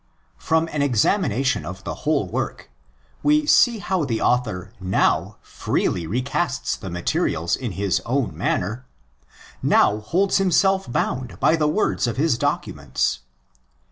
From an examination of the whole work, we see how the author now freely recasts the materials in his own manner, now holds himself bound by the words of his documents.